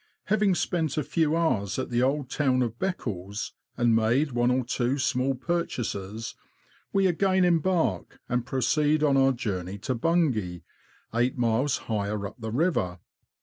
Having spent a few hours at the old town of Bec cles, and made one or two small purchases, we again embark, and proceed on our journey to Bungay, eight miles higher up the river.